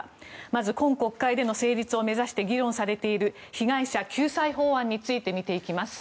まず、今国会での成立を目指して議論されている被害者救済法案について見ていきます。